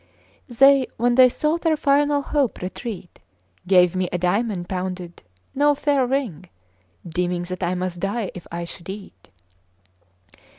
They, when they saw their final hope retreat, Gave me a diamond, pounded, no fair ring, Deeming that I must die if I should eat.